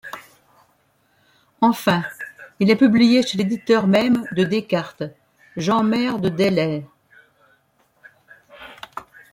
Enfin, il est publié chez l'éditeur-même de Descartes, Jean Maire de Deydel.